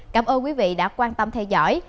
cảm ơn quý vị đã quan tâm theo dõi